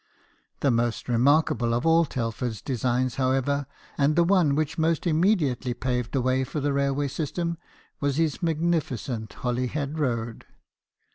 27 The most remarkable of all Telford's designs, however, and the one which most immediately paved the way for the railway system, was his magnificent Holyhead Road.